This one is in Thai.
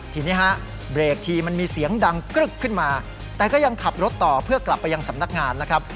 ทีนี้ฮะเบรกทีมันมีเสียงดังกรึ๊กขึ้นมาแต่ก็ยังขับรถต่อเพื่อกลับไปยังสำนักงานนะครับ